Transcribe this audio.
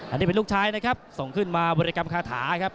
อันนี้เป็นลูกชายนะครับส่งขึ้นมาบริกรรมคาถาครับ